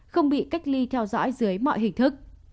không bị cách ly theo dõi dưới mọi hình thức